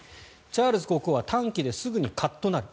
チャールズ国王は短気ですぐにカッとなる。